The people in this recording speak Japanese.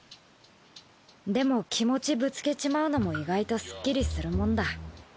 でも気持ちぶつけちまうのも意外とすっきりするもんだ。